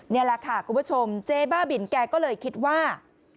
นี่แหละค่ะคุณผู้ชมเจ๊บ้าบินแกก็เลยคิดว่า